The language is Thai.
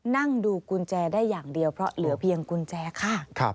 นั่งดูกุญแจได้อย่างเดียวเพราะเหลือเพียงกุญแจค่ะ